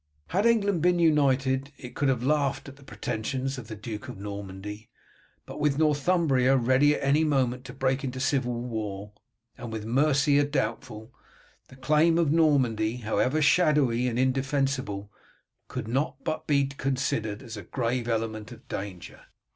Had England been united it could have laughed at the pretensions of the Duke of Normandy; but with Northumbria ready at any moment to break into civil war, and with Mercia doubtful, the claim of Normandy, however shadowy and indefensible, could not but be considered as a grave element of danger.